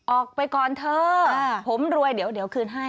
ออกไปก่อนเถอะผมรวยเดี๋ยวคืนให้